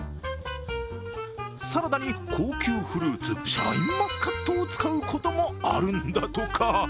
サラダに高級フルーツ、シャインマスカットを使うこともあるんだとか。